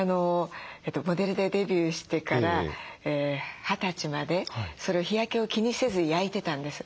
モデルでデビューしてから二十歳まで日焼けを気にせず焼いてたんです。